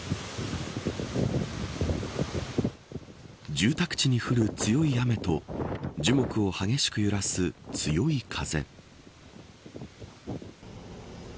住宅地に降る強い雨と樹木を激しく揺らす強い風。